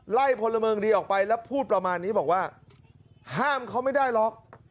พลเมืองดีออกไปแล้วพูดประมาณนี้บอกว่าห้ามเขาไม่ได้หรอก